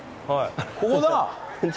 ここだ！